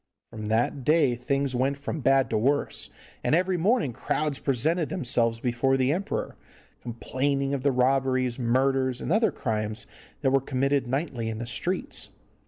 From that day things went from bad to worse, and every morning crowds presented themselves before the emperor, complaining of the robberies, murders, and other crimes that were committed nightly in the streets.